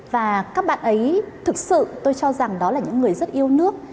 và các bạn ấy thực sự tôi cho rằng đó là những người rất yêu nước